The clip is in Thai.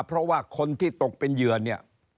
เพราะว่าคนที่ตกเป็นเหยื่อเนี่ย